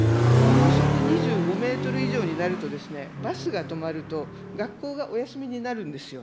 風速２５メートル以上になると、バスが止まると学校がお休みになるんですよ。